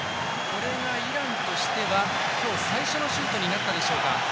これがイランとしては今日最初のシュートになったでしょうか。